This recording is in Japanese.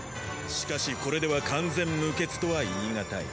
しかしこれでは完全無欠とは言いがたい。